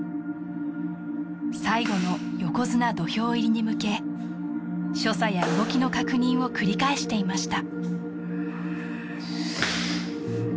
最後の横綱土俵入りに向け所作や動きの確認を繰り返していました